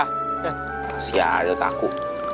kasih aja ke aku